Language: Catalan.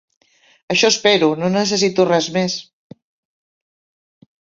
Això espero, no necessito res més.